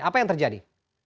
apa yang terjadi